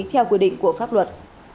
theo quy định của pháp luật